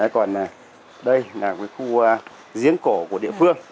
còn đây là khu giếng cổ của địa phương